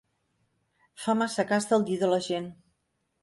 Fa massa cas del dir de la gent.